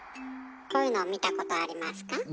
こういうの見たことありますか？